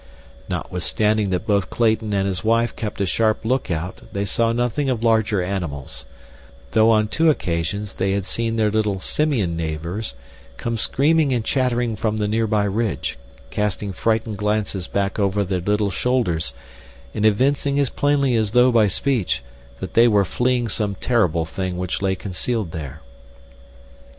Notwithstanding that both Clayton and his wife kept a sharp lookout they saw nothing of larger animals, though on two occasions they had seen their little simian neighbors come screaming and chattering from the near by ridge, casting frightened glances back over their little shoulders, and evincing as plainly as though by speech that they were fleeing some terrible thing which lay concealed there.